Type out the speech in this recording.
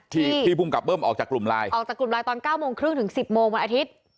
ที่ที่ภูมิกับเบิ้มออกจากกลุ่มไลน์ออกจากกลุ่มไลน์ตอนเก้าโมงครึ่งถึงสิบโมงวันอาทิตย์